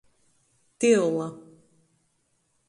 Tyula.